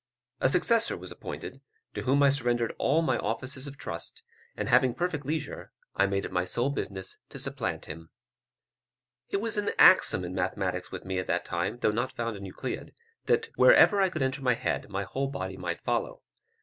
A successor was appointed, to whom I surrendered all my offices of trust, and having perfect leisure, I made it my sole business to supplant him. It was an axiom in mathematics with me at that time, though not found in Euclid, that wherever I could enter my head, my whole body might follow.